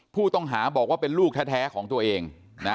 ผู้ต้องหาบอกว่าเป็นลูกแท้ของตัวเองนะ